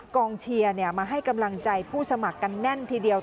กองเชียร์มาให้กำลังใจผู้สมัครกันแน่นทีเดียว